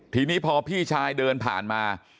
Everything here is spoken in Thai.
ทีนี้พอพี่ชายเดินผ่านมา